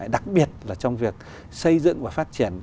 đặc biệt là trong việc xây dựng và phát triển